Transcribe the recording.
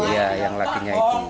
iya yang lagi itu